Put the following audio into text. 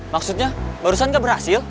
maksudnya barusan gak berhasil